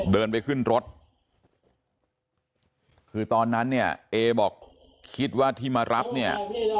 เดินไปขึ้นรถคือตอนนั้นเนี่ยเอบอกคิดว่าที่มารับเนี่ย